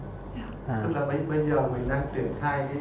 tức là bây giờ mình đang triển khai cái